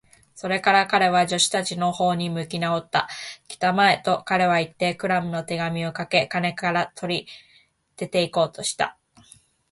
それから彼は、助手たちのほうに向きなおった。「きたまえ！」と、彼はいって、クラムの手紙をかけ金から取り、出ていこうとした。